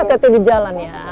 tante di jalan ya